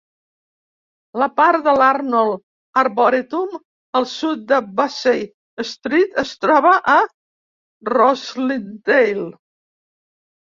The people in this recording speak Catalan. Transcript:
La part de l'Arnold Arboretum al sud de Bussey Street es troba a Roslindale.